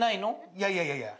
いやいやいやいや。